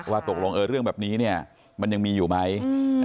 ว่าตกลงเรื่องแบบนี้เนี่ยมันยังมีอยู่ไหม